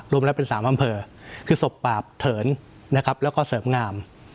รวมแล้วเป็น๓อำเภอคือศพปาบเถินนะครับแล้วก็เสริมงาม